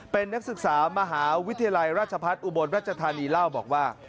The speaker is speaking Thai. เป็นนักศึกษามหาวิทยาลัยราชพัฒน์อุบลรัชธานีเล่าบอกว่า